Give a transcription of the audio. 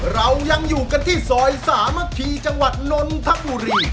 เรายังอยู่กันที่ซอยสามัคคีจังหวัดนนทบุรี